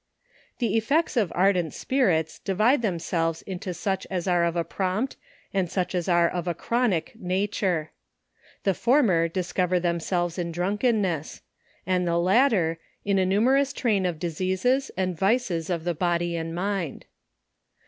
The effects of ardent spirits divide themselves into such as arc of a prompt, and such as are of a chronic nature. The former, discover themselves in drunkenness, and the latter, in a numerous train of diseases and vices, of the body and mind.